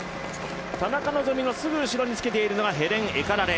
田中希実のすぐ後ろにつけているのがヘレン・エカラレ。